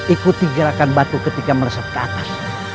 ikuti gerakan batu ketika meresap ke atas